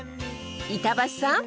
板橋さん